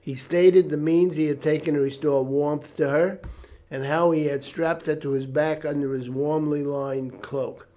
He stated the means he had taken to restore warmth to her, and how he had strapped her to his back under his warmly lined cloak.